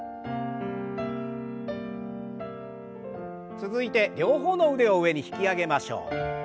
続いて両方の腕を上に引き上げましょう。